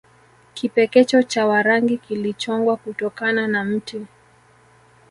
Kipekecho cha Warangi kilichongwa kutokana na mti